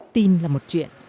tin là một chuyện